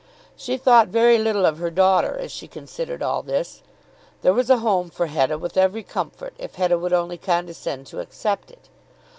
She thought very little of her daughter as she considered all this. There was a home for Hetta, with every comfort, if Hetta would only condescend to accept it.